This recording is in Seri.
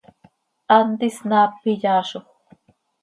Hant isnaap iyaazoj.